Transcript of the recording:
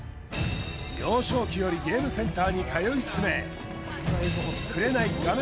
幼少期よりゲームセンターに通い詰め「紅」画面